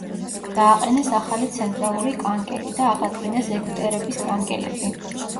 დააყენეს ახალი ცენტრალური კანკელი და აღადგინეს ეგვტერების კანკელები.